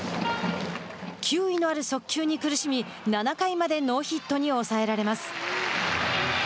球威のある速球に苦しみ７回までノーヒットに抑えられます。